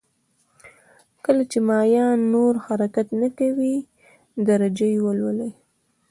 کله چې مایع نور حرکت نه کوي درجه یې ولولئ.